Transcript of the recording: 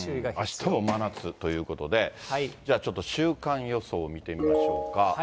あしたも真夏ということで、じゃあちょっと週間予想見てみましょうか。